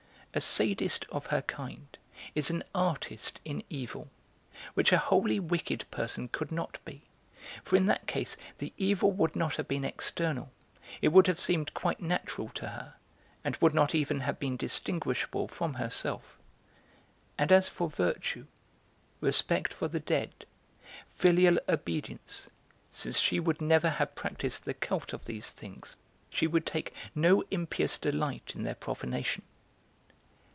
A 'sadist' of her kind is an artist in evil, which a wholly wicked person could not be, for in that case the evil would not have been external, it would have seemed quite natural to her, and would not even have been distinguishable from herself; and as for virtue, respect for the dead, filial obedience, since she would never have practised the cult of these things, she would take no impious delight in their profanation.